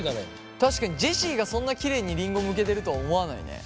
確かにジェシーがそんなきれいにりんごむけてるとは思わないね。